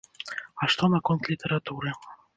А што наконт літаратуры?